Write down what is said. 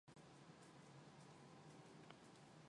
Гэрлээ тэр дэлгүүрийн дэргэдүүр явсан юм чинь.